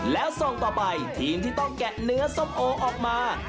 แล้วส่งต่อไปทีมที่ต้องแกะเนื้อส้มโอออกมา